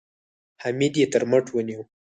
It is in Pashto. حميديې تر مټ ونيو.